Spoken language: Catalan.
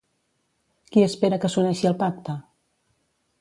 Qui espera que s'uneixi al pacte?